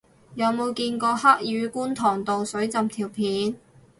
有冇見過黑雨觀塘道水浸條片